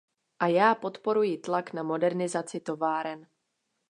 A já podporuji tlak na modernizaci továren.